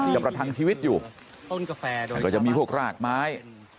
จะประทังชีวิตอยู่ก็จะมีพวกรากไม้